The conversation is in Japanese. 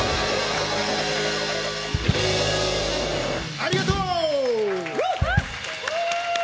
ありがとう！